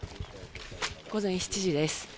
午前７時です。